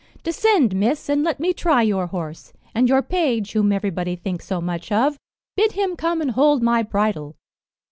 Descend, Miss, and let me try your horse; and your page, whom everybody thinks so much of, bid him come and hold my bridle."